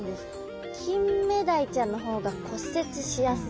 キンメダイちゃんの方が骨折しやすい。